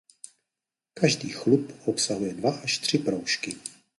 Každý chlup obsahuje dva až tři proužky.